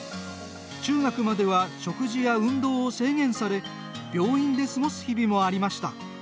中学までは食事や運動を制限され病院で過ごす日々もありました。